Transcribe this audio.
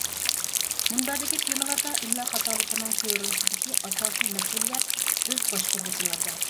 مۇنبەردىكى تېمىلاردا ئىملا خاتالىقىنىڭ كۆرۈلۈشىدىكى ئاساسى مەسئۇلىيەت بىز باشقۇرغۇچىلاردا.